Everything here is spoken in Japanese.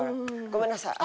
ごめんなさい。